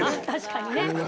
確かにね。